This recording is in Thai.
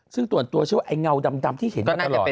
ซึ่งตัวอันตัวชื่อว่าไอ้เงาดำที่เห็นมันได้แล้ว